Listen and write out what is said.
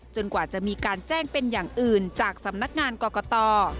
กว่าจะมีการแจ้งเป็นอย่างอื่นจากสำนักงานกรกต